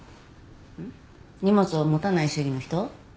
荷物を持たない主義の人？